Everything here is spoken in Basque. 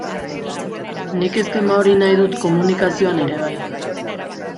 Nik eskema hori nahi dut komunikazioan ere bai.